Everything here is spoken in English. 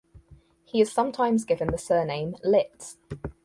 He is sometimes given the surname Litz.